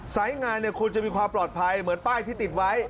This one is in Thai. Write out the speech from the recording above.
งานควรจะมีความปลอดภัยเหมือนป้ายที่ติดไว้